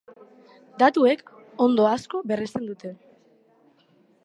Datuek ondo asko berresten dute.